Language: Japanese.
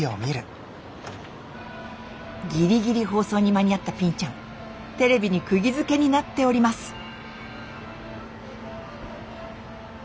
ギリギリ放送に間に合ったぴんちゃんテレビにくぎづけになっております。